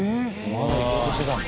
まだ行こうとしてたんだ。